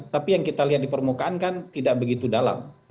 tapi yang kita lihat di permukaan kan tidak begitu dalam